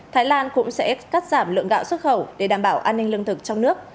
thái lan cũng sẽ cắt giảm lượng gạo xuất khẩu để đảm bảo an ninh lương thực trong nước